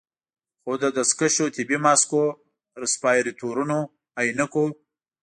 خو د دستکشو، طبي ماسکونو، رسپايرتورونو، عينکو